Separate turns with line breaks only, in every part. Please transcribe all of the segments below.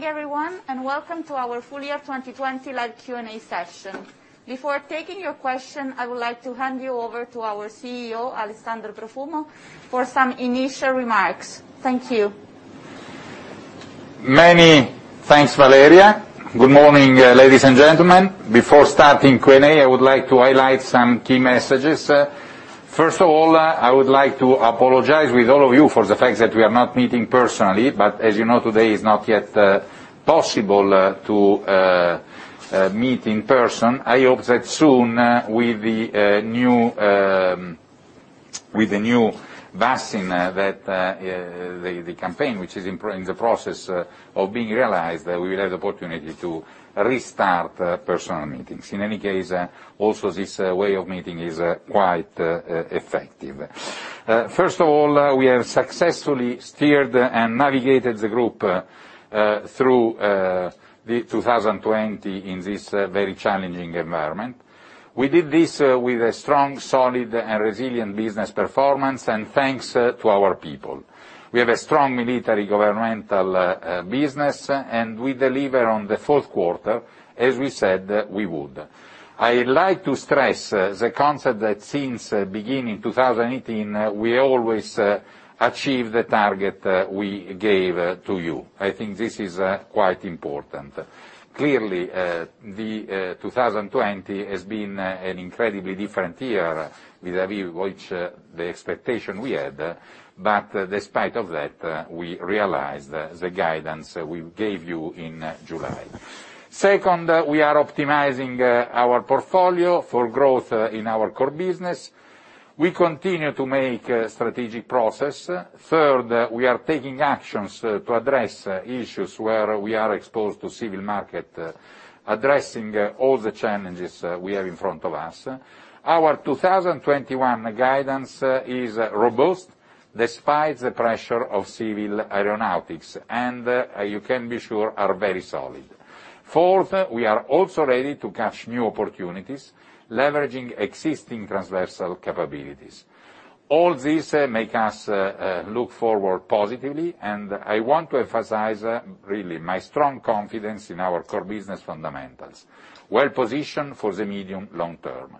Good morning, everyone, and welcome to our full year 2020 live Q&A session. Before taking your question, I would like to hand you over to our Chief Executive Officer, Alessandro Profumo, for some initial remarks. Thank you.
Many thanks, Valeria. Good morning, ladies and gentlemen. Before starting Q&A, I would like to highlight some key messages. First of all, I would like to apologize with all of you for the fact that we are not meeting personally. As you know, today, it's not yet possible to meet in person. I hope that soon, with the new vaccine, the campaign, which is in the process of being realized, that we will have the opportunity to restart personal meetings. In any case, also, this way of meeting is quite effective. First of all, we have successfully steered and navigated the group through 2020 in this very challenging environment. We did this with a strong, solid, and resilient business performance and thanks to our people. We have a strong military governmental business, we deliver on the fourth quarter, as we said we would. I like to stress the concept that since beginning 2018, we always achieve the target we gave to you. I think this is quite important. Clearly, the 2020 has been an incredibly different year vis-a-vis which the expectation we had. Despite of that, we realized the guidance we gave you in July. Second, we are optimizing our portfolio for growth in our core business. We continue to make strategic progress. Third, we are taking actions to address issues where we are exposed to civil market, addressing all the challenges we have in front of us. Our 2021 guidance is robust, despite the pressure of civil aeronautics, and you can be sure are very solid. Fourth, we are also ready to catch new opportunities, leveraging existing transversal capabilities. All this make us look forward positively, and I want to emphasize really my strong confidence in our core business fundamentals. Well positioned for the medium long term.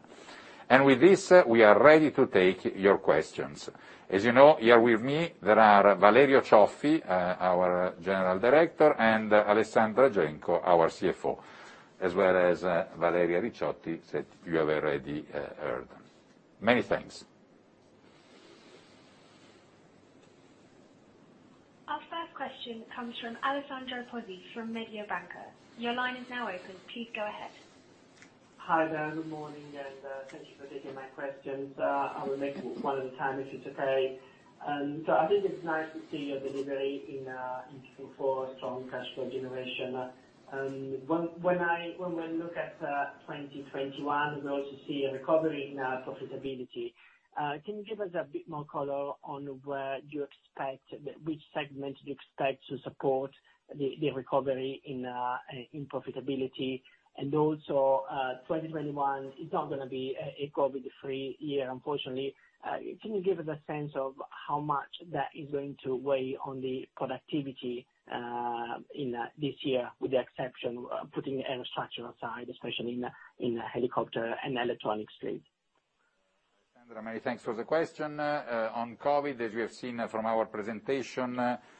With this, we are ready to take your questions. As you know, here with me, there are Valerio Cioffi, our General Director, and Alessandra Genco, our Chief Financial Officer, as well as Valeria Ricciotti that you have already heard. Many thanks.
Our first question comes from Alessandro Pozzi from Mediobanca. Your line is now open. Please go ahead.
Hi there. Good morning. Thank you for taking my questions. I will make one at a time, if it's okay. I think it's nice to see your delivery in Q4, strong cash flow generation. When we look at 2021, we also see a recovery in profitability. Can you give us a bit more color on which segments you expect to support the recovery in profitability? Also, 2021 is not going to be a COVID-free year, unfortunately. Can you give us a sense of how much that is going to weigh on the productivity this year, with the exception, putting Aerostructures aside, especially in Helicopter and Electronics?
Alessandro, many thanks for the question. On COVID, as we have seen from our presentation,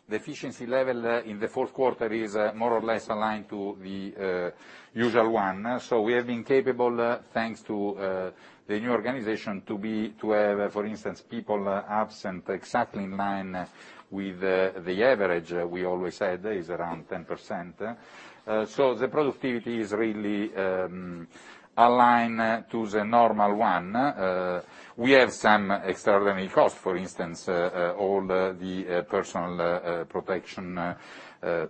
the efficiency level in the fourth quarter is more or less aligned to the usual one. We have been capable, thanks to the new organization, to have, for instance, people absent exactly in line with the average. We always said is around 10%. The productivity is really aligned to the normal one. We have some extraordinary costs, for instance, all the personal protection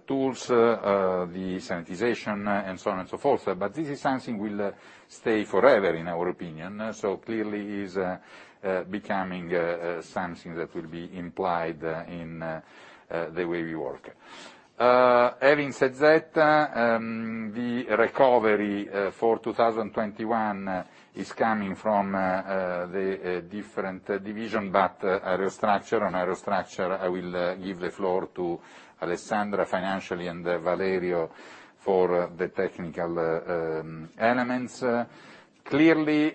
tools, the sanitization, and so on and so forth. This is something will stay forever, in our opinion, clearly is becoming something that will be implied in the way we work. Having said that, the recovery for 2021 is coming from the different division, but Aerostructure. On Aerostructure, I will give the floor to Alessandra financially and Valerio for the technical elements. Clearly,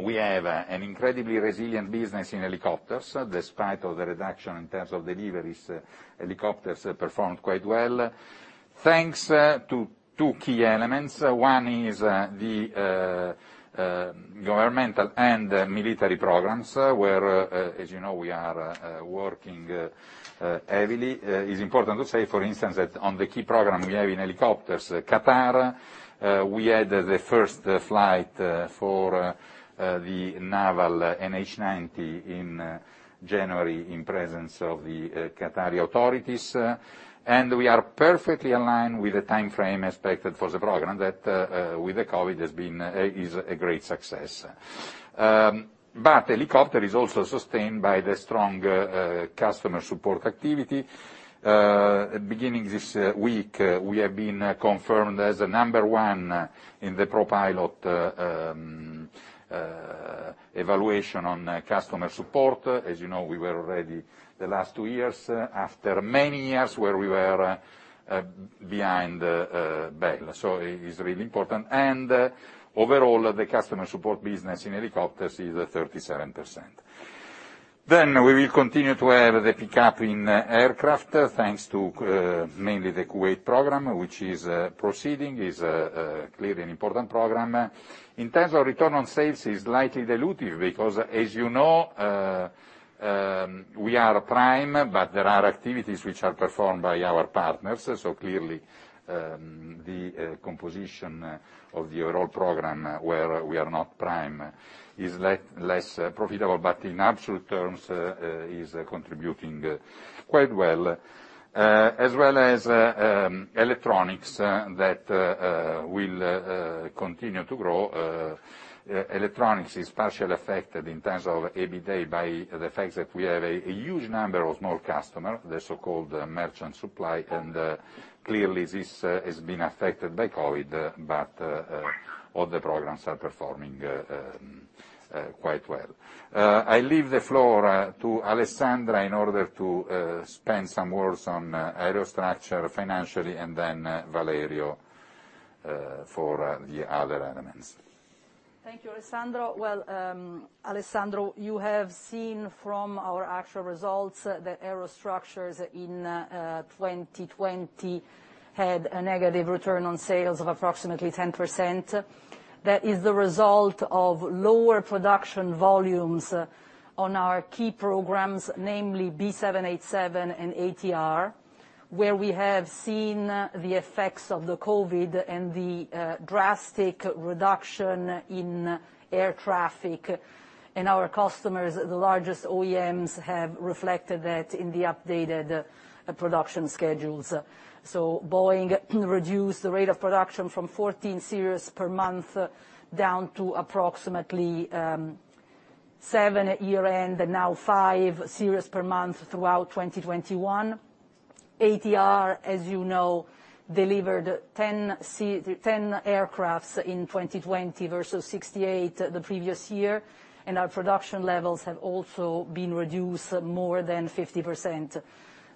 we have an incredibly resilient business in helicopters. Despite the reduction in terms of deliveries, helicopters performed quite well, thanks to two key elements. One is the governmental and military programs, where, as you know, we are working heavily. It's important to say, for instance, that on the key program we have in helicopters, Qatar, we had the first flight for the naval NH90 in January in presence of the Qatari authorities. We are perfectly aligned with the timeframe expected for the program, that with the COVID, is a great success. Helicopter is also sustained by the strong customer support activity. Beginning this week, we have been confirmed as the number one in the Pro Pilot Evaluation on customer support. As you know, we were already, the last two years, after many years where we were behind Bell, so it is really important. Overall, the customer support business in helicopters is 37%. We will continue to have the pickup in aircraft, thanks to mainly the Kuwait program, which is proceeding. It is a clearly important program. In terms of return on sales, it's slightly dilutive, because, as you know, we are prime, but there are activities which are performed by our partners. Clearly, the composition of the overall program, where we are not prime, is less profitable. In absolute terms, it is contributing quite well. As well as electronics, that will continue to grow. Electronics is partially affected, in terms of EBITDA, by the fact that we have a huge number of small customer, the so-called merchant supply, and clearly, this has been affected by COVID, but all the programs are performing quite well. I leave the floor to Alessandra in order to spend some words on aerostructure financially, and then Valerio for the other elements.
Thank you, Alessandro. Alessandro, you have seen from our actual results that Aerostructures in 2020 had a negative return on sales of approximately 10%. That is the result of lower production volumes on our key programs, namely B787 and ATR, where we have seen the effects of the COVID and the drastic reduction in air traffic. Our customers, the largest OEMs, have reflected that in the updated production schedules. Boeing reduced the rate of production from 14 series per month, down to approximately seven at year-end, now five series per month throughout 2021. ATR, as you know, delivered 10 aircrafts in 2020 versus 68 the previous year, and our production levels have also been reduced more than 50%.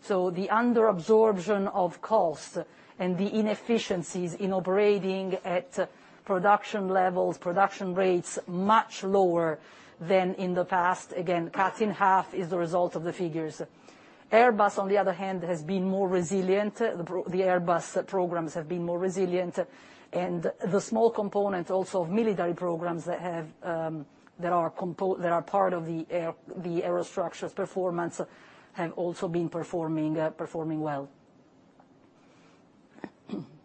The under-absorption of cost and the inefficiencies in operating at production levels, production rates, much lower than in the past, again, cut in half is the result of the figures. Airbus, on the other hand, has been more resilient. The Airbus programs have been more resilient, and the small component also of military programs that are part of the Aerostructures' performance have also been performing well.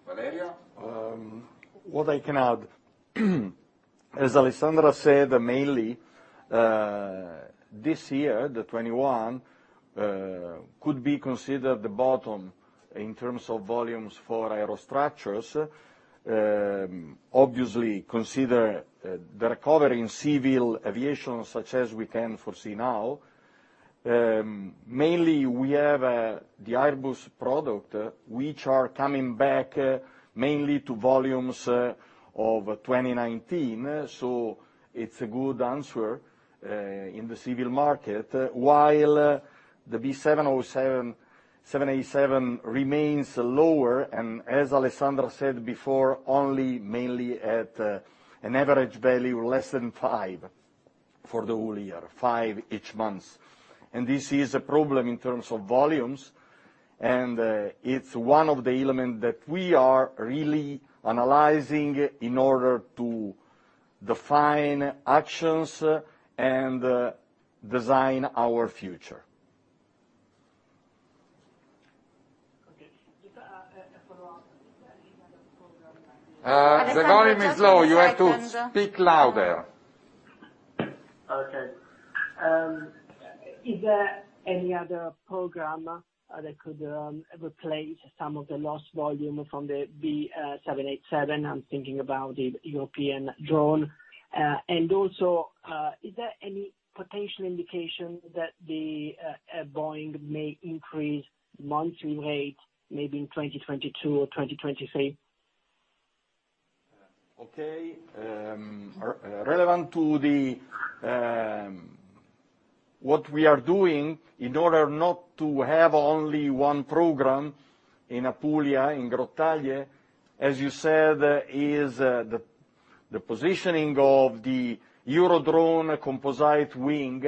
Valerio?
What I can add, as Alessandra said, mainly, this year, 2021, could be considered the bottom in terms of volumes for Aerostructures. Obviously, consider the recovery in civil aviation, such as we can foresee now. Mainly, we have the Airbus product, which are coming back mainly to volumes of 2019, so it's a good answer in the civil market, while the B787 remains lower and, as Alessandra said before, only mainly at an average value less than five for the whole year. Five each month. This is a problem in terms of volumes, and it's one of the element that we are really analyzing in order to define actions and design our future.
Okay. Just a follow-up. Is there any other program that?
Alessandro, just a second.
The volume is low, you have to speak louder.
Okay. Is there any other program that could replace some of the lost volume from the B787? I'm thinking about the European drone. Is there any potential indication that Boeing may increase monthly rate, maybe in 2022 or 2023?
Okay. Relevant to what we are doing in order not to have only one program in Apulia, in Grottaglie, as you said, is the positioning of the Eurodrone composite wing,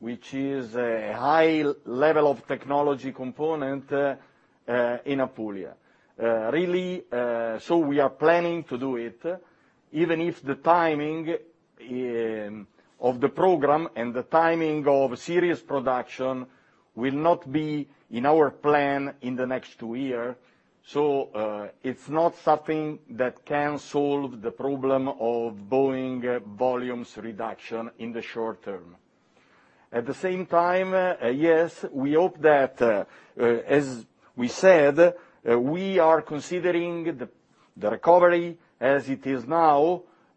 which is a high level of technology component in Apulia. Really, we are planning to do it, even if the timing of the program and the timing of the series production will not be in our plan in the next two year. It's not something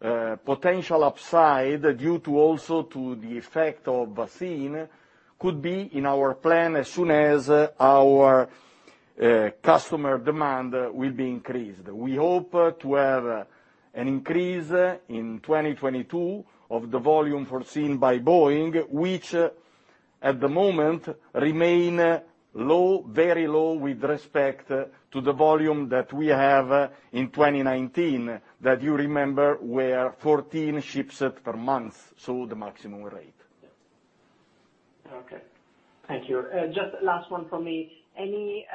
that can solve the problem of Boeing volumes reduction in the short term. At the same time, yes, we hope that, as we said, we are considering the recovery as it is now, potential upside due to also to the effect of vaccine, could be in our plan as soon as our customer demand will be increased. We hope to have an increase in 2022 of the volume foreseen by Boeing, which at the moment remain low, very low with respect to the volume that we have in 2019, that you remember, were 14 ships per month, so the maximum rate.
Okay. Thank you. Just last one from me. Any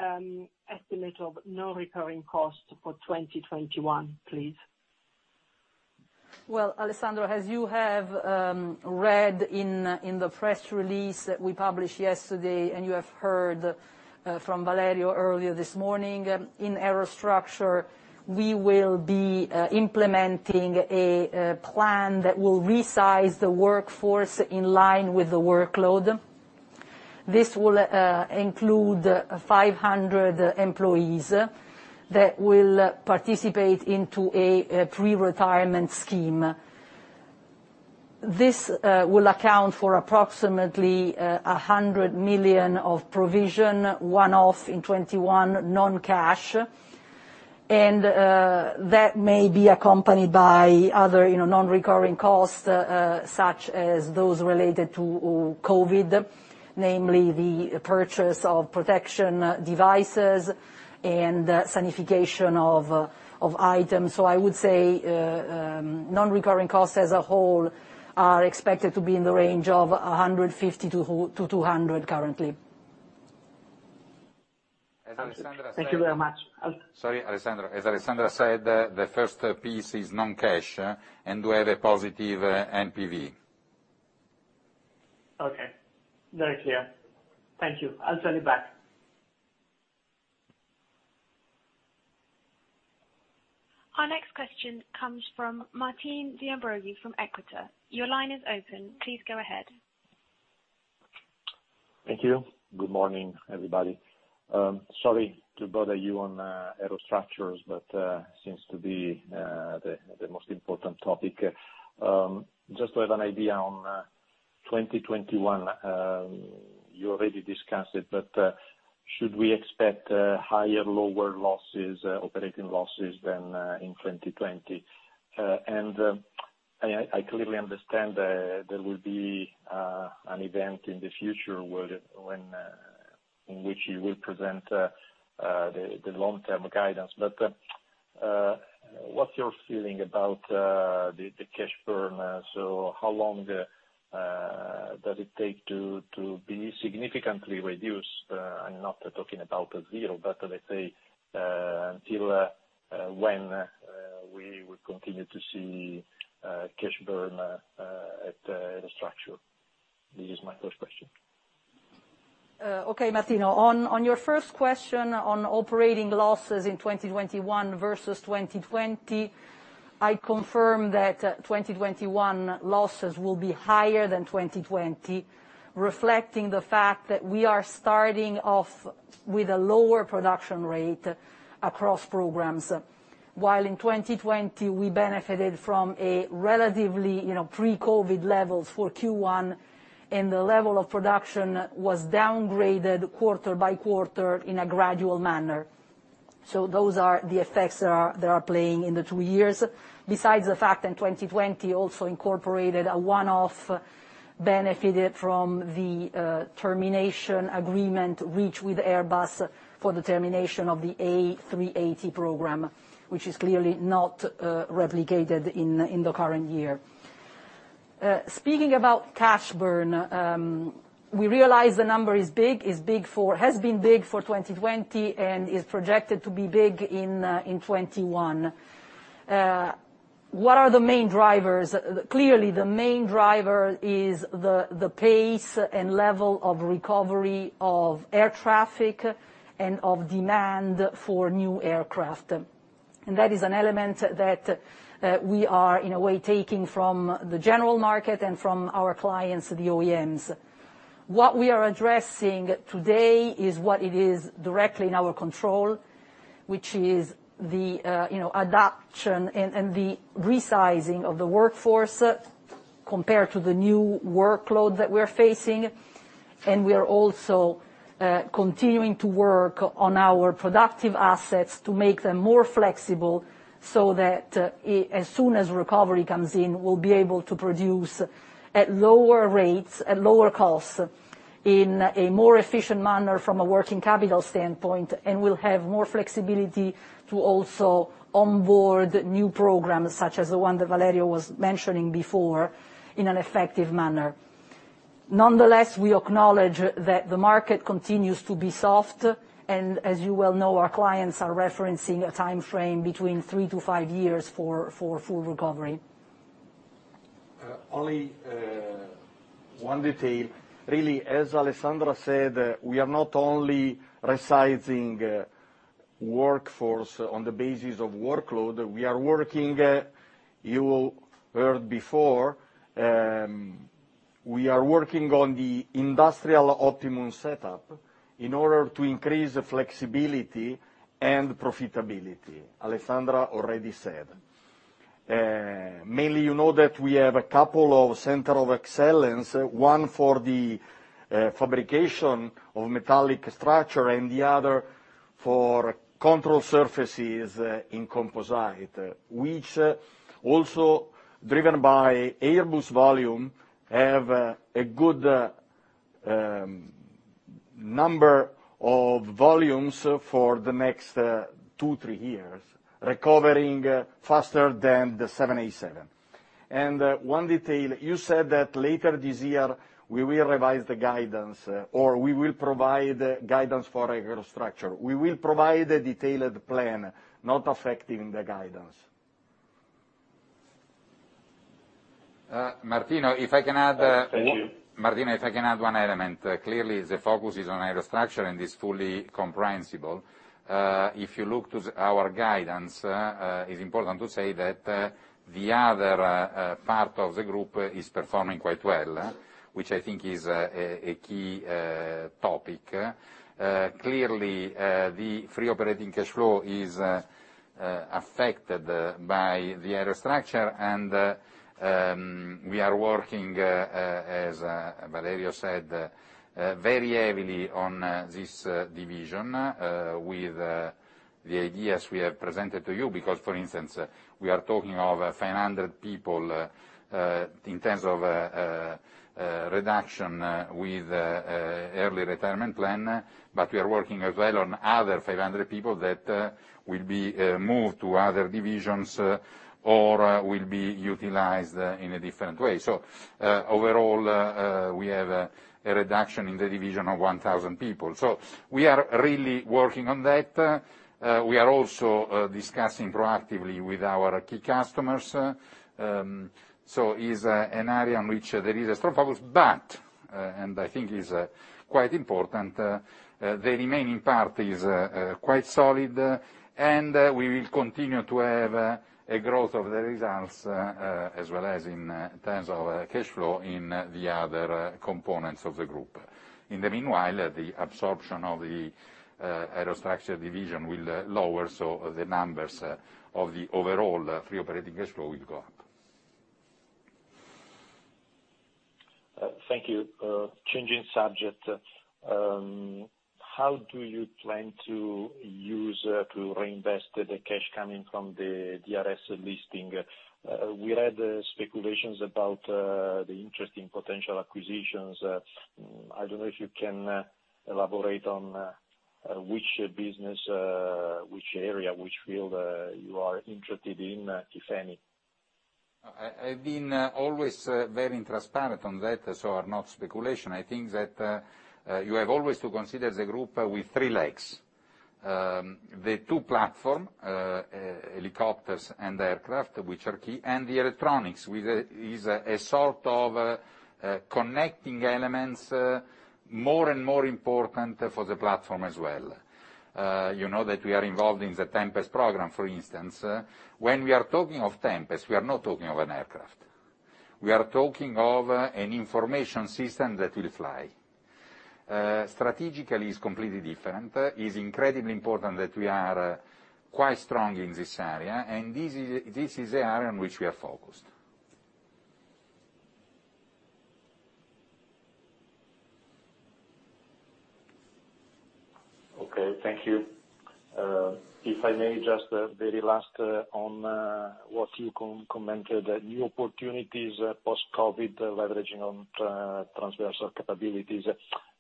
estimate of non-recurring costs for 2021, please?
Well, Alessandro, as you have read in the press release that we published yesterday, and you have heard from Valerio earlier this morning, in Aerostructure, we will be implementing a plan that will resize the workforce in line with the workload. This will include 500 employees that will participate into a pre-retirement scheme. This will account for approximately 100 million of provision, one-off in 2021, non-cash. That may be accompanied by other non-recurring costs such as those related to COVID, namely the purchase of protection devices and sanitization of items. I would say non-recurring costs as a whole are expected to be in the range of 150-200 currently.
Thank you very much.
Sorry, Alessandro. As Alessandra said, the first piece is non-cash and we have a positive NPV.
Okay. Very clear. Thank you. I'll send it back.
Our next question comes from Martino De Ambroggi from Equita. Your line is open. Please go ahead.
Thank you. Good morning, everybody. Sorry to bother you on Aerostructures. Seems to be the most important topic. Just to have an idea on 2021, you already discussed it. Should we expect higher, lower losses, operating losses than in 2020? I clearly understand there will be an event in the future in which you will present the long-term guidance. What's your feeling about the cash burn? How long does it take to be significantly reduced? I'm not talking about zero, but, let's say, until when we would continue to see cash burn at Aerostructure? This is my first question.
Okay, Martino. On your first question on operating losses in 2021 versus 2020, I confirm that 2021 losses will be higher than 2020, reflecting the fact that we are starting off with a lower production rate across programs. While in 2020, we benefited from a relatively pre-COVID levels for Q1, and the level of production was downgraded quarter-by-quarter in a gradual manner. Those are the effects that are playing in the two years. Besides the fact that 2020 also incorporated a one-off benefited from the termination agreement reached with Airbus for the termination of the A380 program, which is clearly not replicated in the current year. Speaking about cash burn, we realize the number has been big for 2020 and is projected to be big in 2021. What are the main drivers? Clearly, the main driver is the pace and level of recovery of air traffic and of demand for new aircraft. That is an element that we are, in a way, taking from the general market and from our clients, the OEMs. What we are addressing today is what it is directly in our control, which is the adaption and the resizing of the workforce compared to the new workload that we're facing. We are also continuing to work on our productive assets to make them more flexible so that as soon as recovery comes in, we'll be able to produce at lower rates, at lower costs in a more efficient manner from a working capital standpoint, and we'll have more flexibility to also onboard new programs, such as the one that Valerio was mentioning before, in an effective manner. Nonetheless, we acknowledge that the market continues to be soft, and as you well know, our clients are referencing a time frame between three to five years for full recovery.
Only one detail. Really, as Alessandra Genco said, we are not only resizing workforce on the basis of workload. We are working, you heard before, we are working on the industrial optimum setup in order to increase flexibility and profitability. Alessandra already said. Mainly, you know that we have a couple of center of excellence, one for the fabrication of metallic structure and the other for control surfaces in composite, which also, driven by Airbus volume, have a good number of volumes for the next two, three years, recovering faster than the 787. One detail, you said that later this year we will revise the guidance, or we will provide guidance for Aerostructure. We will provide a detailed plan not affecting the guidance.
Martino.
Thank you.
Martino, if I can add one element. Clearly, the focus is on Aerostructure and is fully comprehensible. If you look to our guidance, it is important to say that the other part of the group is performing quite well, which I think is a key topic. Clearly, the free operating cash flow is affected by the Aerostructure, and we are working, as Valerio said, very heavily on this division with the ideas we have presented to you, because, for instance, we are talking of 500 people in terms of reduction with early retirement plan, but we are working as well on other 500 people that will be moved to other divisions or will be utilized in a different way. Overall, we have a reduction in the division of 1,000 people. We are really working on that. We are also discussing proactively with our key customers. Is an area in which there is a strong focus, but, and I think it's quite important, the remaining part is quite solid and we will continue to have a growth of the results, as well as in terms of cash flow in the other components of the group. In the meanwhile, the absorption of the aerostructure division will lower, so the numbers of the overall free operating cash flow will go up.
Thank you. Changing subject. How do you plan to reinvest the cash coming from the DRS listing? We read speculations about the interest in potential acquisitions. I don't know if you can elaborate on which business, which area, which field you are interested in, if any.
I've been always very transparent on that, so are not speculation. I think that you have always to consider the group with three legs. The two platform, helicopters and aircraft, which are key, and the electronics is a sort of connecting elements, more and more important for the platform as well. You know that we are involved in the Tempest program, for instance. When we are talking of Tempest, we are not talking of an aircraft. We are talking of an information system that will fly. Strategically, it's completely different. It's incredibly important that we are quite strong in this area, and this is the area in which we are focused.
Okay, thank you. If I may just, very last, on what you commented, new opportunities post-COVID, leveraging on transversal capabilities.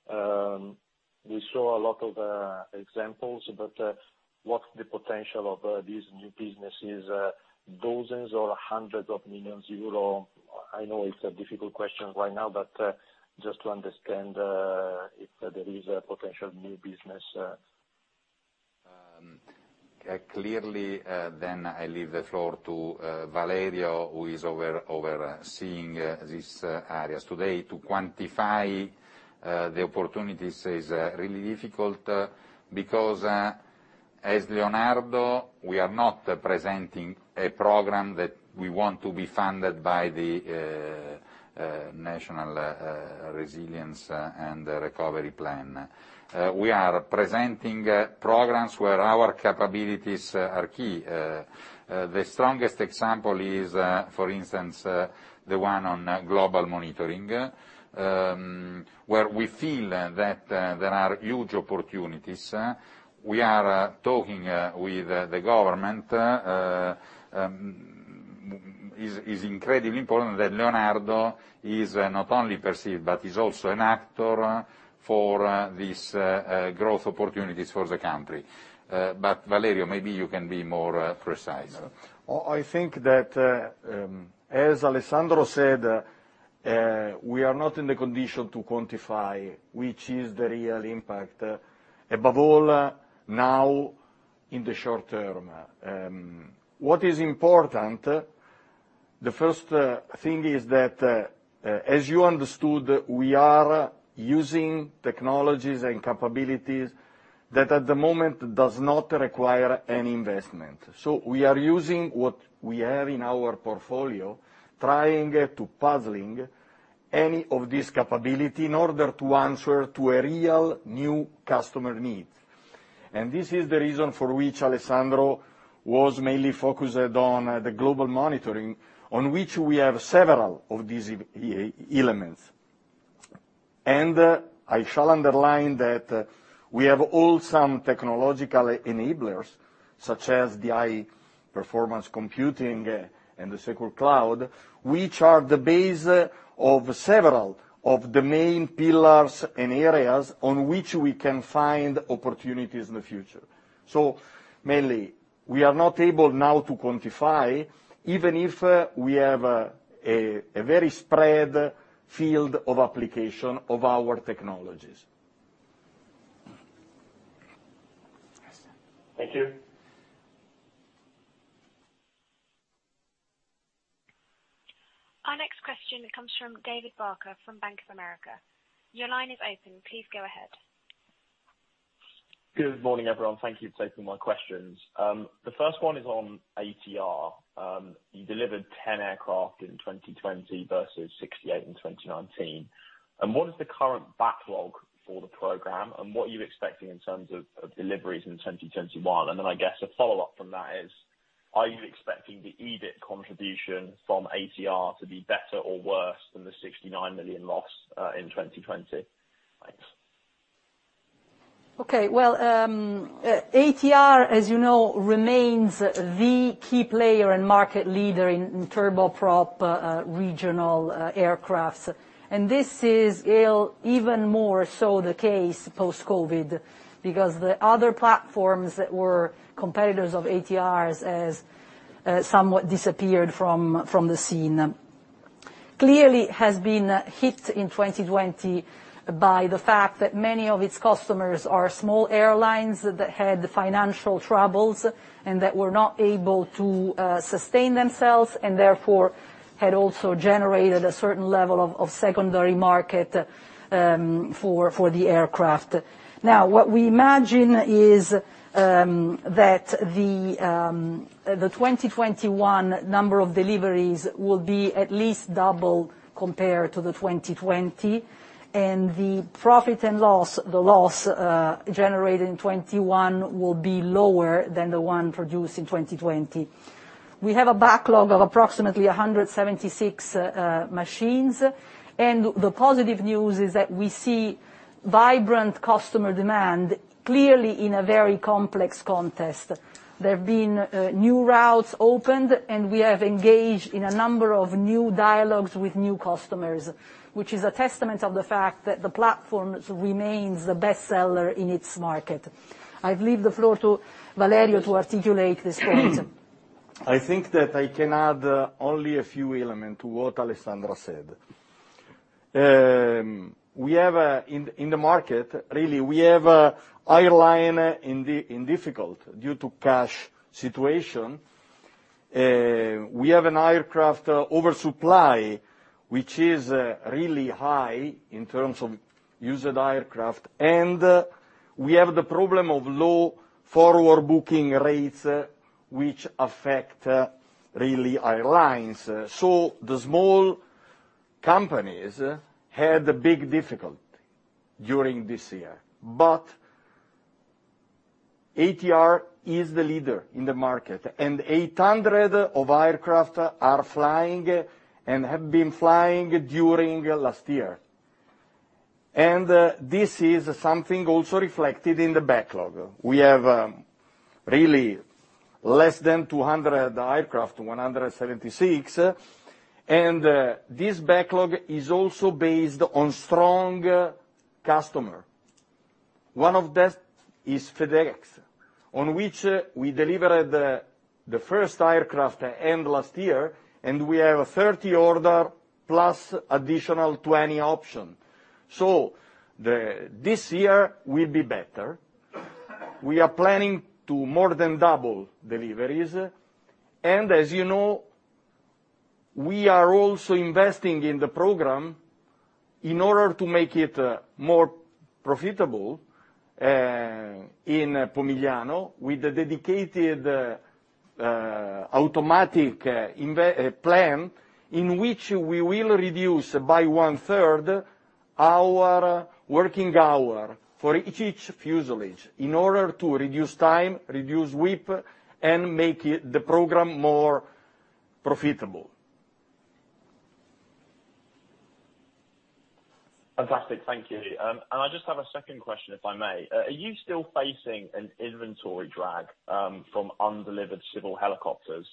We saw a lot of examples. What's the potential of these new businesses? Dozens or hundreds of millions euro? I know it's a difficult question right now. Just to understand if there is a potential new business.
Clearly, I leave the floor to Valerio, who is overseeing these areas today. To quantify the opportunities is really difficult because, as Leonardo, we are not presenting a program that we want to be funded by the National Recovery and Resilience Plan. We are presenting programs where our capabilities are key. The strongest example is, for instance, the one on global monitoring, where we feel that there are huge opportunities. We are talking with the government. It is incredibly important that Leonardo is not only perceived, but is also an actor for these growth opportunities for the country. Valerio, maybe you can be more precise.
I think that, as Alessandro said, we are not in the condition to quantify which is the real impact, above all, now in the short term. What is important, the first thing is that, as you understood, we are using technologies and capabilities that at the moment does not require any investment. We are using what we have in our portfolio, trying to puzzling any of this capability in order to answer to a real new customer needs. This is the reason for which Alessandro was mainly focused on the global monitoring, on which we have several of these elements. I shall underline that we have all some technological enablers, such as the High Performance Computing and the secure cloud, which are the base of several of the main pillars and areas on which we can find opportunities in the future. Mainly, we are not able now to quantify, even if we have a very spread field of application of our technologies.
Yes.
Thank you.
Our next question comes from David Barker from Bank of America. Your line is open. Please go ahead.
Good morning, everyone. Thank you for taking my questions. The first one is on ATR. You delivered 10 aircraft in 2020 versus 68 in 2019. What is the current backlog for the program, and what are you expecting in terms of deliveries in 2021? I guess a follow-up from that is, are you expecting the EBIT contribution from ATR to be better or worse than the 69 million loss in 2020? Thanks.
Okay. Well, ATR, as you know, remains the key player and market leader in turboprop regional aircraft. This is even more so the case post-COVID, because the other platforms that were competitors of ATR, has somewhat disappeared from the scene. Clearly has been hit in 2020 by the fact that many of its customers are small airlines that had financial troubles, and that were not able to sustain themselves, and therefore had also generated a certain level of secondary market for the aircraft. Now, what we imagine is that the 2021 number of deliveries will be at least double compared to the 2020, and the profit and loss, the loss generated in 2021 will be lower than the one produced in 2020. We have a backlog of approximately 176 machines. The positive news is that we see vibrant customer demand, clearly in a very complex context. There have been new routes opened, and we have engaged in a number of new dialogues with new customers, which is a testament of the fact that the platform remains the best seller in its market. I leave the floor to Valerio to articulate this point.
I think that I can add only a few elements to what Alessandra said. In the market, really, we have airlines in difficulty due to cash situation. We have an aircraft oversupply, which is really high in terms of used aircraft. We have the problem of low forward booking rates, which affect really airlines. The small companies had a big difficulty during this year. ATR is the leader in the market, and 800 aircraft are flying and have been flying during last year. This is something also reflected in the backlog. We have really less than 200 aircraft, 176. This backlog is also based on strong customers. One of that is FedEx, on which we delivered the first aircraft end last year, and we have 30 orders plus additional 20 options. This year will be better. We are planning to more than double deliveries. As you know, we are also investing in the program in order to make it more profitable, in Pomigliano, with a dedicated automatic plan in which we will reduce by one-third our working hour for each fuselage in order to reduce time, reduce WIP, and make the program more profitable.
Fantastic. Thank you. I just have a second question, if I may. Are you still facing an inventory drag from undelivered civil helicopters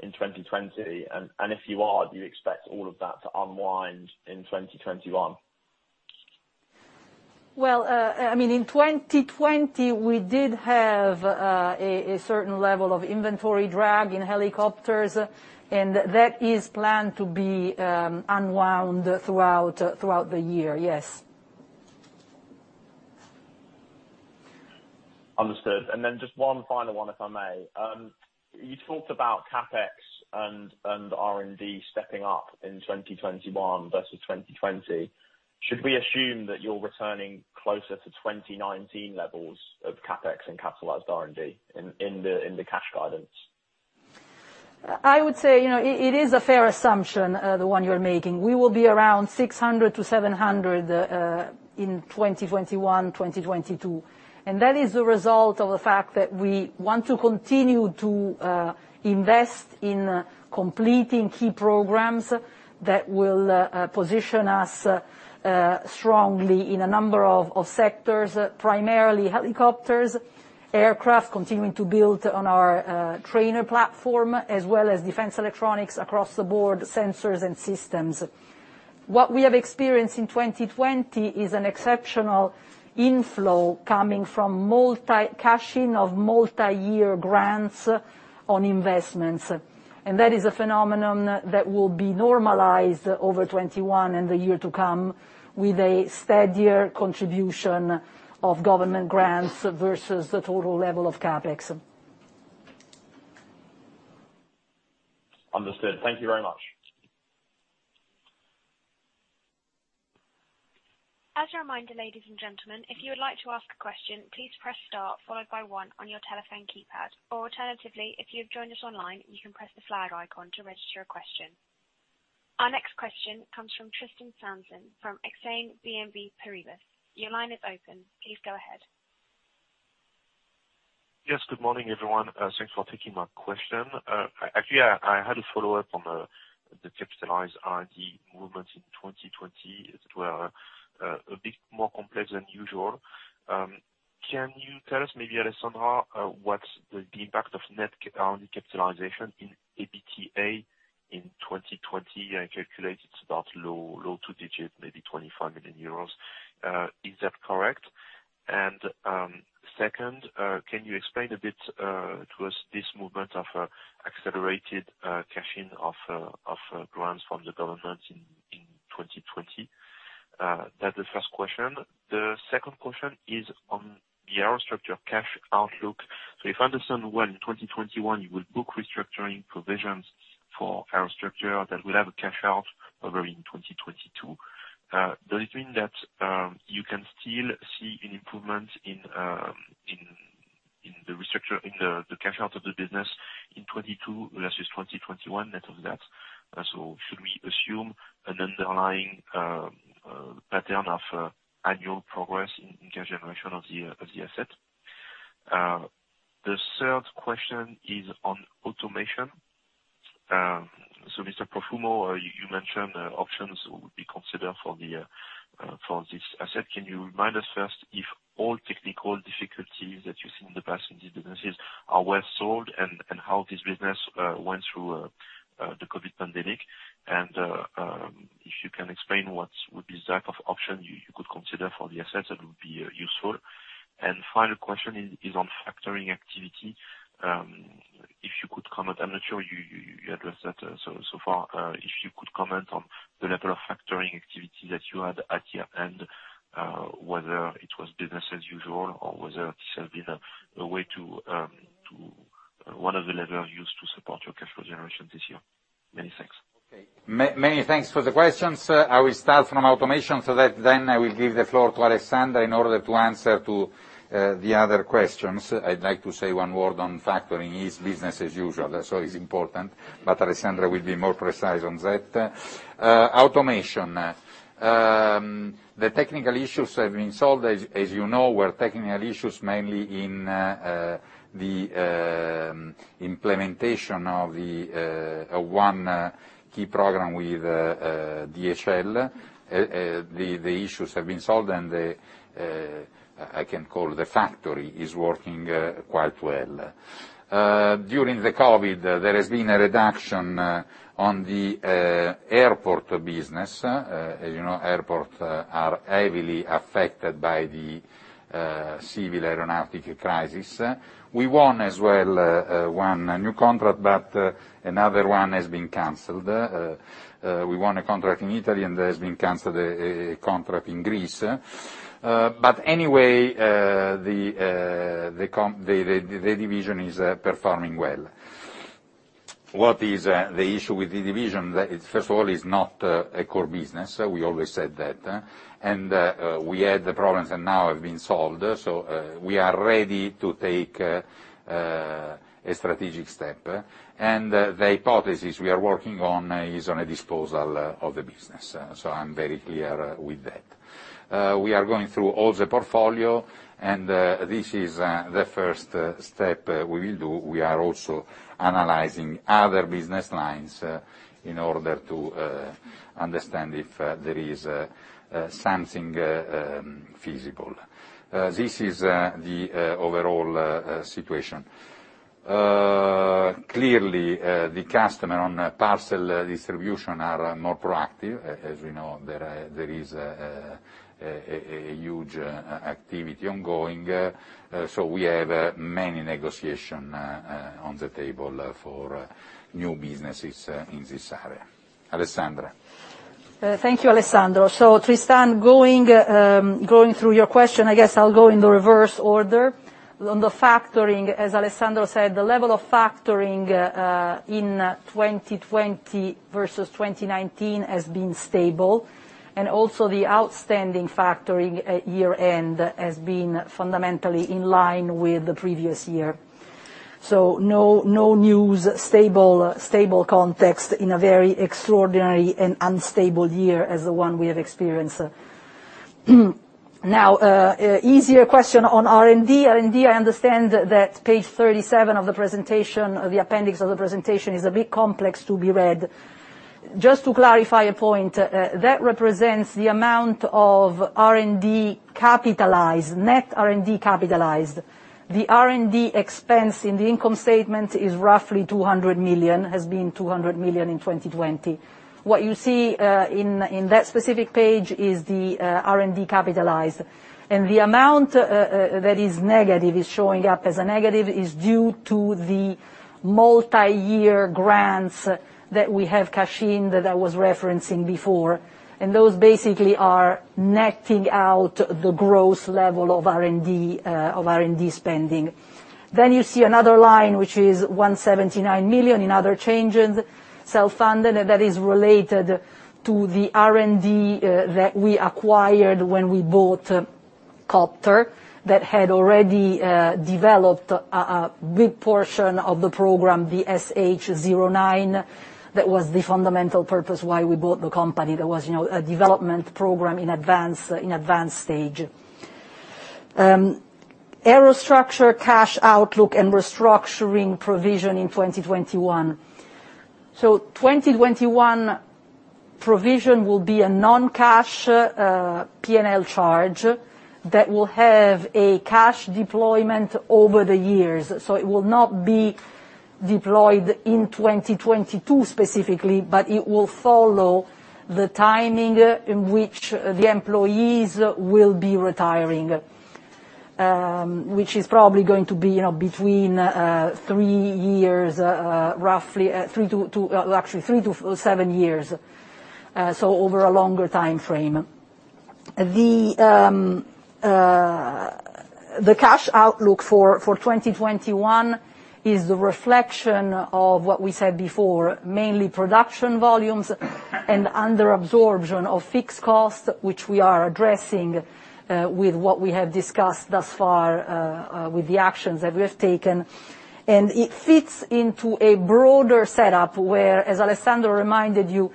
in 2020? If you are, do you expect all of that to unwind in 2021?
Well, in 2020, we did have a certain level of inventory drag in helicopters, and that is planned to be unwound throughout the year. Yes.
Understood. Just one final one, if I may. You talked about CapEx and R&D stepping up in 2021 versus 2020. Should we assume that you're returning closer to 2019 levels of CapEx and capitalized R&D in the cash guidance?
I would say, it is a fair assumption, the one you're making. We will be around 600-700 in 2021, 2022. That is a result of the fact that we want to continue to invest in completing key programs that will position us strongly in a number of sectors, primarily helicopters, aircraft, continuing to build on our trainer platform, as well as defense electronics across the board, sensors and systems. What we have experienced in 2020 is an exceptional inflow coming from multi cash-in of multi-year grants on investments. That is a phenomenon that will be normalized over 2021 and the year to come, with a steadier contribution of government grants versus the total level of CapEx.
Understood. Thank you very much.
As a reminder, ladies and gentlemen, if you would like to ask a question, please press star followed by one on your telephone keypad. Alternatively, if you have joined us online, you can press the flag icon to register a question. Our next question comes from Tristan Sanson of Exane BNP Paribas. Your line is open. Please go ahead.
Yes. Good morning, everyone. Thanks for taking my question. Actually, I had a follow-up on the capitalized R&D movements in 2020 that were a bit more complex than usual. Can you tell us maybe, Alessandra, what's the impact of net R&D capitalization in EBITA in 2020? I calculate it's about low two digit, maybe 25 million euros. Is that correct? Second, can you explain a bit towards this movement of accelerated caching of grants from the government in 2020? That's the first question. The second question is on the Aerostructure cash outlook. If I understand well, in 2021, you will book restructuring provisions for Aerostructure that will have a cash out over in 2022. Does it mean that you can still see an improvement in the Aerostructure, in the cash out of the business in 2022 versus 2021 net of that? Should we assume an underlying pattern of annual progress in cash generation of the asset? The third question is on automation. Mr. Profumo, you mentioned options will be considered for this asset. Can you remind us first if all technical difficulties that you've seen in the past in these businesses are well solved, and how this business went through the COVID pandemic? If you can explain what would be the type of option you could consider for the assets, that would be useful. Final question is on factoring activity. If you could comment, I'm not sure you addressed that so far, if you could comment on the level of factoring activity that you had at year-end, whether it was business as usual or whether this has been one of the levers used to support your cash flow generation this year. Many thanks.
Many thanks for the questions. I will start from automation. I will give the floor to Alessandra in order to answer to the other questions. I'd like to say one word on factoring. It's business as usual. It's important. Alessandra will be more precise on that. Automation. The technical issues have been solved. As you know, were technical issues mainly in the implementation of one key program with DHL. The issues have been solved and the, I can call the factory, is working quite well. During the COVID, there has been a reduction on the airport business. As you know, airports are heavily affected by the civil aeronautical crisis. We won as well, one new contract. Another one has been canceled. We won a contract in Italy. There has been canceled a contract in Greece. Anyway, the division is performing well. What is the issue with the division? First of all, it's not a core business. We always said that. We had the problems and now have been solved. We are ready to take a strategic step. The hypothesis we are working on is on a disposal of the business. I'm very clear with that. We are going through all the portfolio, this is the first step we will do. We are also analyzing other business lines in order to understand if there is something feasible. This is the overall situation. Clearly, the customer on parcel distribution are more proactive. As we know, there is a huge activity ongoing. We have many negotiation on the table for new businesses in this area. Alessandra?
Thank you, Alessandro. Tristan, going through your question, I guess I'll go in the reverse order. On the factoring, as Alessandro said, the level of factoring, in 2020 versus 2019 has been stable. Also the outstanding factoring at year-end has been fundamentally in line with the previous year. No news, stable context in a very extraordinary and unstable year as the one we have experienced. Now, easier question on R&D. R&D, I understand that page 37 of the presentation, the appendix of the presentation, is a bit complex to be read. Just to clarify a point, that represents the amount of R&D capitalized, net R&D capitalized. The R&D expense in the income statement is roughly 200 million, has been 200 million in 2020. What you see in that specific page is the R&D capitalized. The amount that is negative, is showing up as a negative, is due to the multi-year grants that we have cashed in, that I was referencing before. Those basically are netting out the growth level of R&D spending. You see another line, which is 179 million in other changes, self-funded, and that is related to the R&D that we acquired when we bought Kopter, that had already developed a big portion of the program, the SH09. That was the fundamental purpose why we bought the company. There was a development program in advanced stage. Aerostructure cash outlook and restructuring provision in 2021. 2021 provision will be a non-cash P&L charge that will have a cash deployment over the years. It will not be deployed in 2022 specifically, but it will follow the timing in which the employees will be retiring, which is probably going to be between three years, roughly, actually three to seven years, so over a longer timeframe. The cash outlook for 2021 is the reflection of what we said before, mainly production volumes and under absorption of fixed costs, which we are addressing with what we have discussed thus far, with the actions that we have taken. It fits into a broader setup where, as Alessandro reminded you,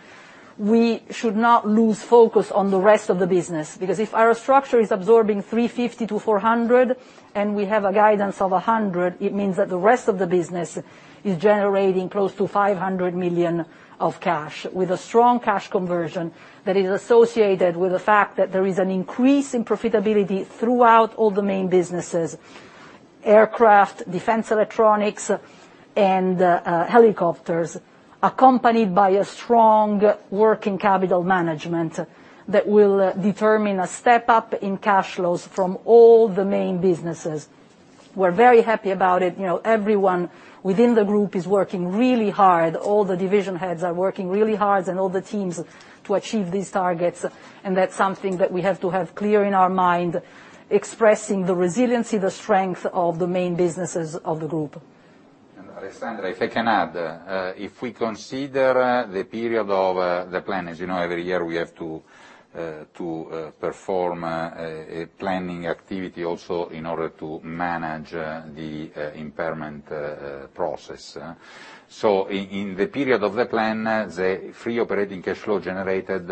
we should not lose focus on the rest of the business. If Aerostructure is absorbing 350 million-400 million, and we have a guidance of 100 million, it means that the rest of the business is generating close to 500 million of cash, with a strong cash conversion that is associated with the fact that there is an increase in profitability throughout all the main businesses, Aircraft, Defense, Electronics, and Helicopters, accompanied by a strong working capital management that will determine a step-up in cash flows from all the main businesses. We're very happy about it. Everyone within the group is working really hard. All the division heads are working really hard and all the teams to achieve these targets. That's something that we have to have clear in our mind, expressing the resiliency, the strength of the main businesses of the group.
Alessandra, if I can add, if we consider the period of the plan, as you know, every year we have to perform a planning activity also in order to manage the impairment process. In the period of the plan, the free operating cash flow generated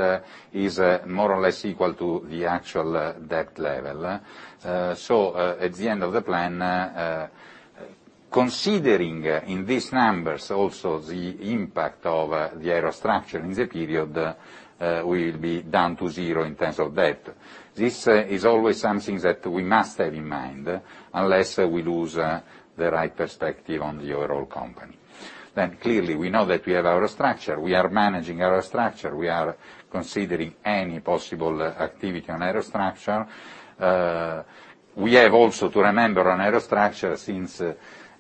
is more or less equal to the actual debt level. At the end of the plan, considering in these numbers also the impact of the Aerostructure in the period, we'll be down to zero in terms of debt. This is always something that we must have in mind, unless we lose the right perspective on the overall company. Clearly, we know that we have Aerostructure. We are managing Aerostructure. We are considering any possible activity on Aerostructure. We have also to remember on aerostructure, since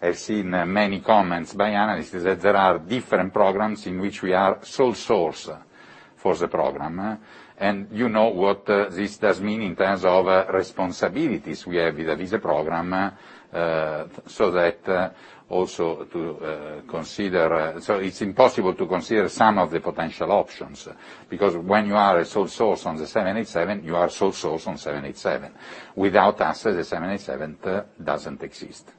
I've seen many comments by analysts, that there are different programs in which we are sole source for the program. You know what this does mean in terms of responsibilities we have with this program, so that also to consider. It's impossible to consider some of the potential options, because when you are a sole source on the 787, you are sole source on 787. Without us, the 787 doesn't exist.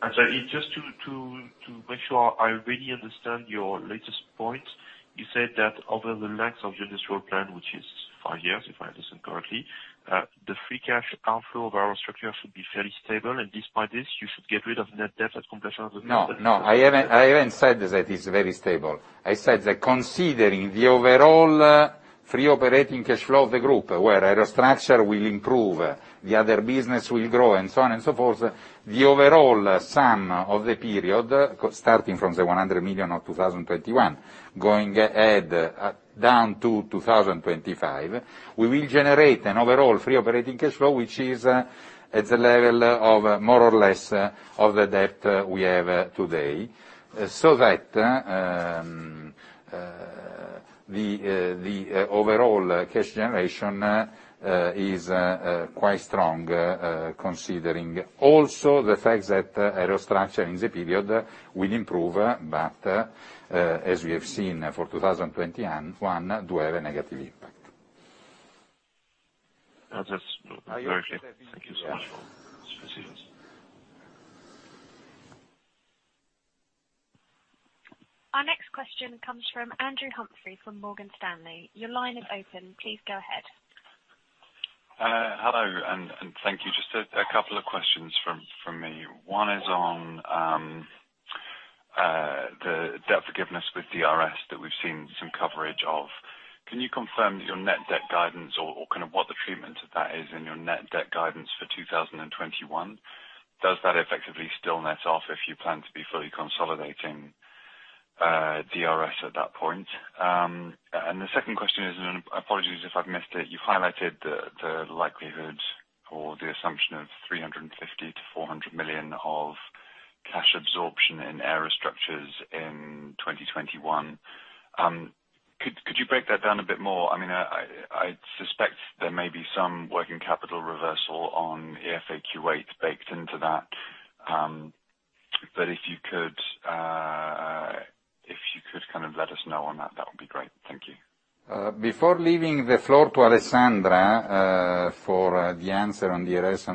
Actually, just to make sure I really understand your latest point, you said that over the length of your industrial plan, which is five years, if I understand correctly, the free cash outflow of Aerostructure should be fairly stable. Despite this, you should get rid of net debt at completion of the plan.
No, I haven't said that it's very stable. I said that considering the overall free operating cash flow of the group, where Aerostructure will improve, the other business will grow, and so on and so forth, the overall sum of the period, starting from the 100 million of 2021, going ahead down to 2025, we will generate an overall free operating cash flow, which is at the level of more or less of the debt we have today. The overall cash generation is quite strong, considering also the fact that Aerostructure, in the period, will improve, but, as we have seen for 2021, do have a negative impact.
That's very clear. Thank you so much for this.
Our next question comes from Andrew Humphrey, from Morgan Stanley. Your line is open. Please go ahead.
Hello, thank you. Just a couple of questions from me. One is on the debt forgiveness with DRS that we've seen some coverage of. Can you confirm your net debt guidance or what the treatment of that is in your net debt guidance for 2021? Does that effectively still net off if you plan to be fully consolidating DRS at that point? The second question is, and apologies if I've missed it, you highlighted the likelihood or the assumption of 350 million-400 million of cash absorption in aerostructures in 2021. Could you break that down a bit more? I suspect there may be some working capital reversal on EFA Kuwait baked into that. If you could let us know on that would be great. Thank you.
Before leaving the floor to Alessandra for the answer on DRS,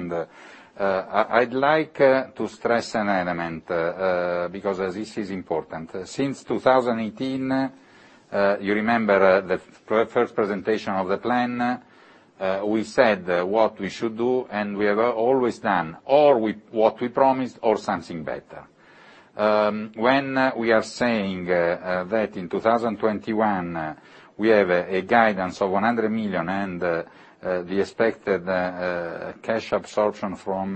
I'd like to stress an element, because this is important. Since 2018, you remember the first presentation of the plan, we said what we should do, and we have always done or what we promised, or something better. When we are saying that in 2021 we have a guidance of 100 million and the expected cash absorption from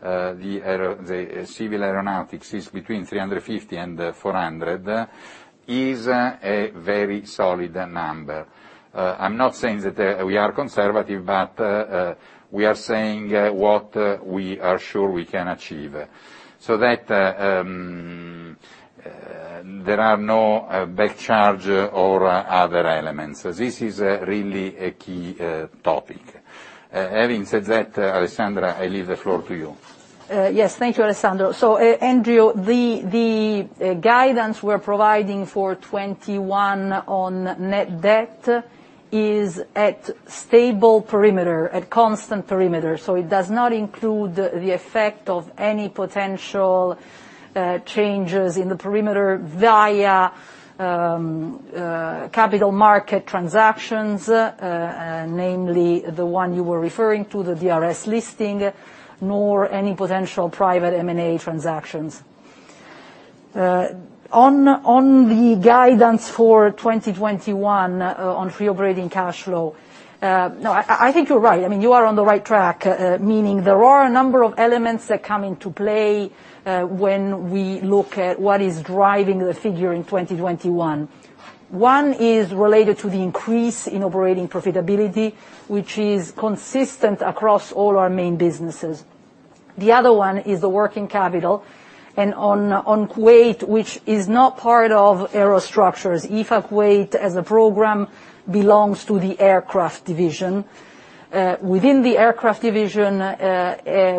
the civil aeronautics is between 350 million and 400 million, is a very solid number. I'm not saying that we are conservative, but we are saying what we are sure we can achieve, so that there are no back charge or other elements. This is really a key topic. Having said that, Alessandra, I leave the floor to you.
Yes. Thank you, Alessandro. Andrew, the guidance we're providing for 2021 on net debt is at stable perimeter, at constant perimeter. It does not include the effect of any potential changes in the perimeter via capital market transactions, namely the one you were referring to, the DRS listing, nor any potential private M&A transactions. On the guidance for 2021 on free operating cash flow, I think you're right. You are on the right track. Meaning there are a number of elements that come into play when we look at what is driving the figure in 2021. One is related to the increase in operating profitability, which is consistent across all our main businesses. The other one is the working capital, and on Kuwait, which is not part of aerostructures. EFA Kuwait as a program belongs to the aircraft division. Within the aircraft division,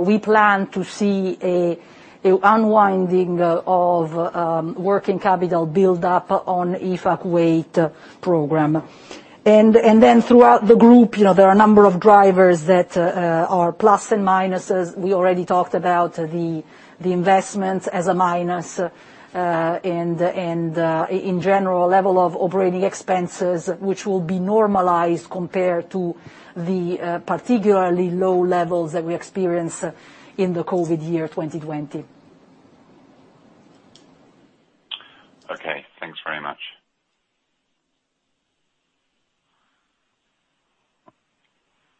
we plan to see a unwinding of working capital build up on EFA Kuwait program. Throughout the group, there are a number of drivers that are plus and minuses. We already talked about the investments as a minus, and in general, level of operating expenses which will be normalized compared to the particularly low levels that we experienced in the COVID year 2020.
Okay. Thanks very much.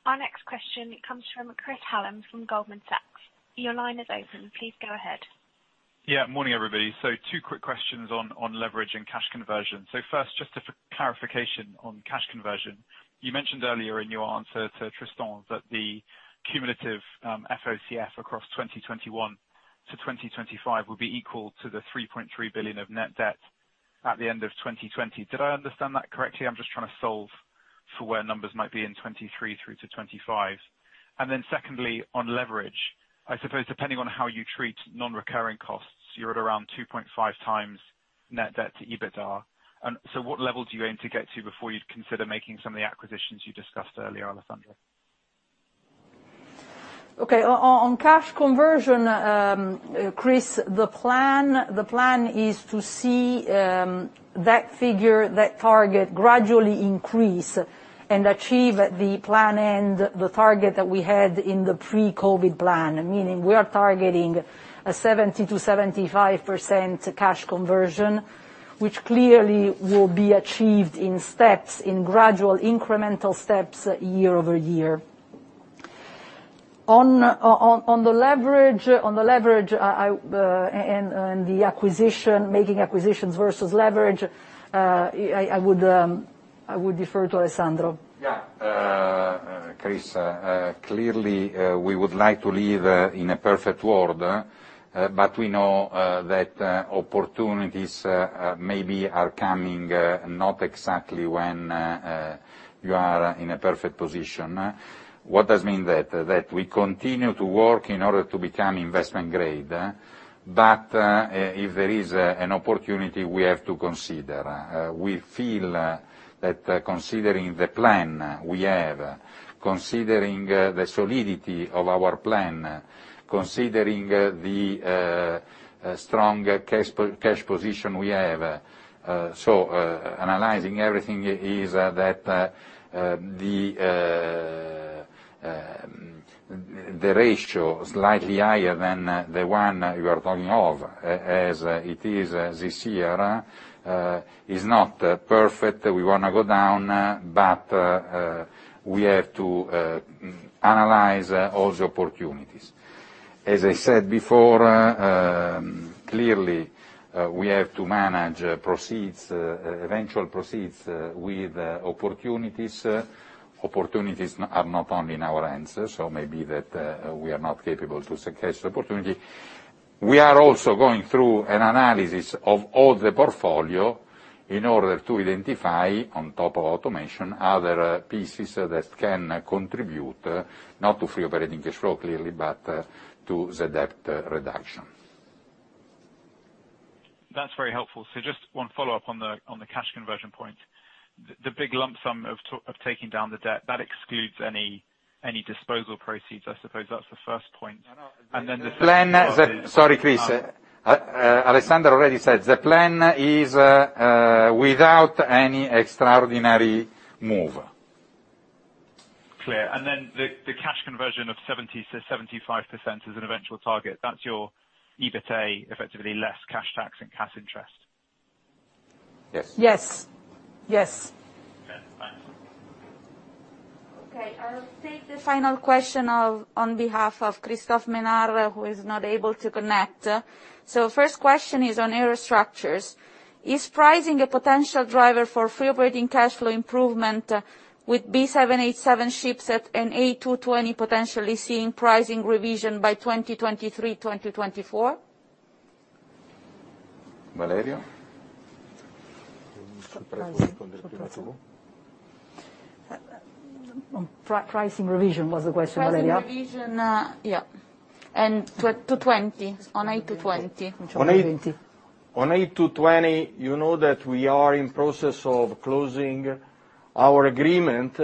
Our next question comes from Chris Hallam from Goldman Sachs.
Yeah. Morning, everybody. Two quick questions on leverage and cash conversion. First, just a clarification on cash conversion. You mentioned earlier in your answer to Tristan that the cumulative FOCF across 2021-2025 will be equal to the 3.3 billion of net debt at the end of 2020. Did I understand that correctly? I'm just trying to solve for where numbers might be in 2023 through to 2025. Secondly, on leverage, I suppose depending on how you treat non-recurring costs, you're at around 2.5x net debt to EBITDA. What level do you aim to get to before you'd consider making some of the acquisitions you discussed earlier, Alessandra?
Okay. On cash conversion, Chris, the plan is to see that figure, that target gradually increase and achieve the plan and the target that we had in the pre-COVID plan. Meaning we are targeting a 70%-75% cash conversion, which clearly will be achieved in steps, in gradual incremental steps YoY. On the leverage and the acquisition, making acquisitions versus leverage, I would defer to Alessandro.
Yeah. Chris, clearly, we would like to live in a perfect world, but we know that opportunities maybe are coming not exactly when you are in a perfect position. What does it mean? That we continue to work in order to become investment grade. If there is an opportunity, we have to consider. We feel that considering the plan we have, considering the solidity of our plan, considering the strong cash position we have. Analyzing everything is that the ratio is slightly higher than the one you are talking of, as it is this year. Is not perfect, we want to go down, but we have to analyze all the opportunities. As I said before, clearly, we have to manage eventual proceeds with opportunities. Opportunities are not only in our hands, so maybe we are not capable to showcase the opportunity. We are also going through an analysis of all the portfolio in order to identify, on top of automation, other pieces that can contribute, not to free operating cash flow, clearly, but to the debt reduction.
That's very helpful. Just one follow-up on the cash conversion point. The big lump sum of taking down the debt, that excludes any disposal proceeds. I suppose that's the first point. The second part is.
Sorry, Chris. Alessandro already said, the plan is without any extraordinary move.
Clear. Then the cash conversion of 70%-75% is an eventual target. That's your EBITA, effectively less cash tax and cash interest.
Yes.
Yes. Yes.
Okay, thanks.
I'll take the final question on behalf of Christophe Menard, who is not able to connect. First question is on Aerostructures. Is pricing a potential driver for free operating cash flow improvement with B787 ships at an A220 potentially seeing pricing revision by 2023, 2024?
Valeria?
On pricing revision was the question, Valeria.
Pricing revision, yeah. 220, on A220. On A220.
On A220, you know that we are in process of closing our agreement,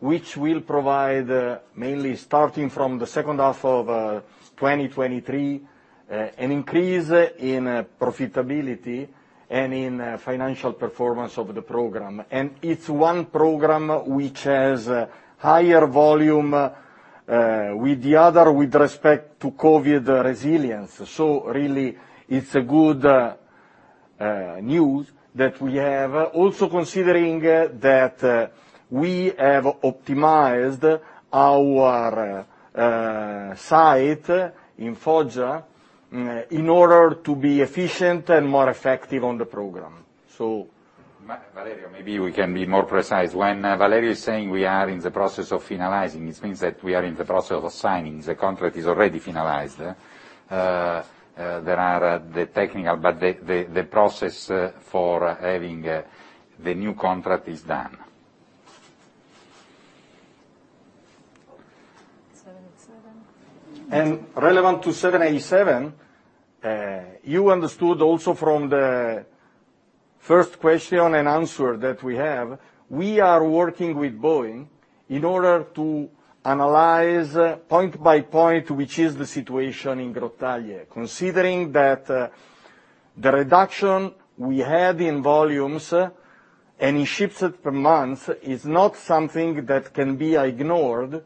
which will provide mainly starting from the second half of 2023, an increase in profitability and in financial performance of the program. It's one program which has higher volume with the other, with respect to COVID resilience. Really it's a good news that we have. Also considering that we have optimized our site in Foggia in order to be efficient and more effective on the program.
Valeria, maybe we can be more precise. When Valeria is saying we are in the process of finalizing, it means that we are in the process of signing. The contract is already finalized. There are the technical, but the process for having the new contract is done.
787.
Relevant to 787, you understood also from the first question and answer that we have, we are working with Boeing in order to analyze point by point, which is the situation in Grottaglie. Considering that the reduction we had in volumes and in ships per month is not something that can be ignored,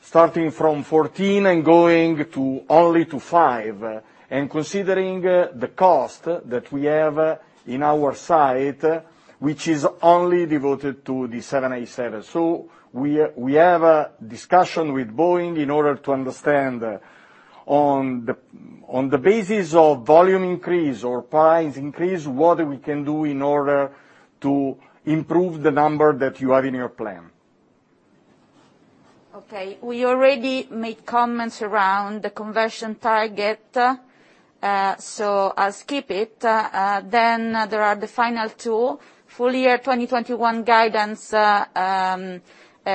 starting from 14 and going only to five. Considering the cost that we have in our site, which is only devoted to the 787. We have a discussion with Boeing in order to understand on the basis of volume increase or price increase, what we can do in order to improve the number that you have in your plan.
We already made comments around the conversion target. I'll skip it. There are the final two. Full year 2021 guidance.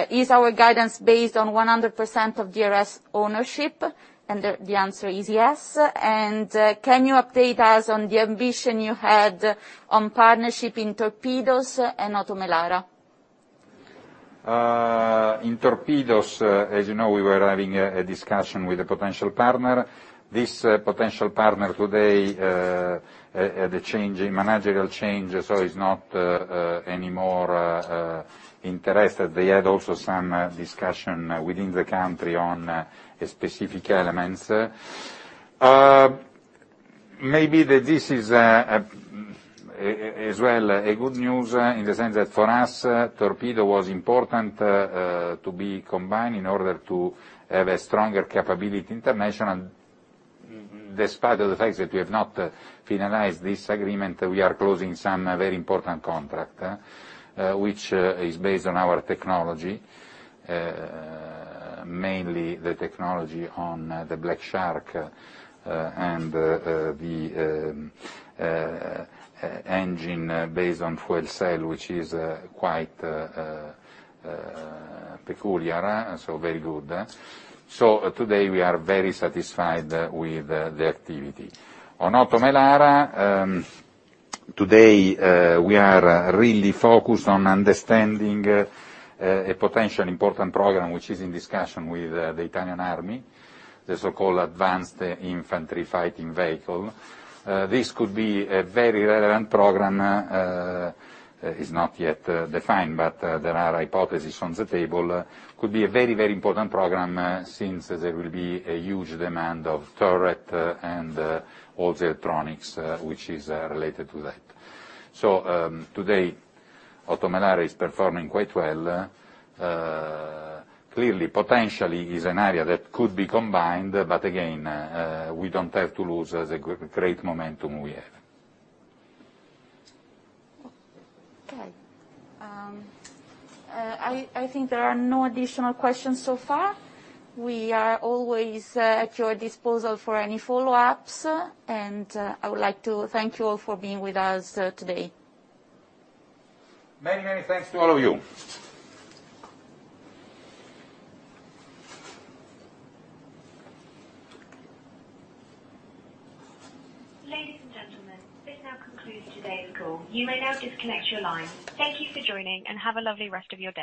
Is our guidance based on 100% of DRS ownership? The answer is yes. Can you update us on the ambition you had on partnership in Torpedoes and OTO Melara?
In Torpedoes, as you know, we were having a discussion with a potential partner. This potential partner today, had a managerial change, so he's not anymore interested. They had also some discussion within the country on specific elements. Maybe this is as well a good news in the sense that for us, Torpedo was important to be combined in order to have a stronger capability international. Despite of the fact that we have not finalized this agreement, we are closing some very important contract, which is based on our technology, mainly the technology on the Black Shark and the engine based on fuel cell, which is quite peculiar, so very good. Today, we are very satisfied with the activity. On Oto Melara, today, we are really focused on understanding a potential important program, which is in discussion with the Italian Army, the so-called Advanced Infantry Fighting Vehicle. This could be a very relevant program. It's not yet defined, but there are hypotheses on the table. Could be a very important program since there will be a huge demand of turret and all the electronics, which is related to that. Today, OTO Melara is performing quite well. Clearly, potentially is an area that could be combined, but again, we don't have to lose the great momentum we have.
Okay. I think there are no additional questions so far. We are always at your disposal for any follow-ups, and I would like to thank you all for being with us today.
Many, many thanks to all of you.
Ladies and gentlemen, this now concludes today's call. You may now disconnect your line. Thank you for joining, and have a lovely rest of your day.